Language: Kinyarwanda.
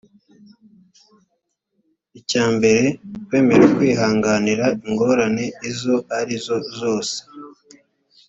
icya mbere kwemera kwihanganira ingorane izo ari zo zose